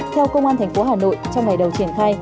theo công an tp hà nội trong ngày đầu triển khai